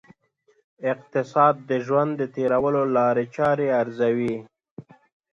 اقتصاد د ژوند د تېرولو لاري چاري ارزوي.